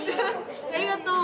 ありがとう。